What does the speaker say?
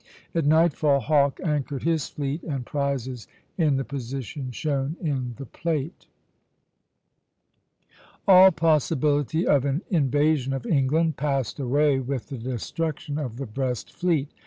At nightfall Hawke anchored his fleet and prizes in the position shown in the plate (b). [Illustration: Pl. VIII.] All possibility of an invasion of England passed away with the destruction of the Brest fleet.